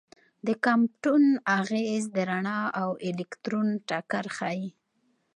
د کامپټون اغېز د رڼا او الکترون ټکر ښيي.